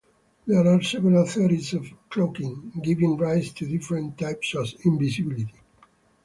There are several theories of cloaking, giving rise to different types of invisibility.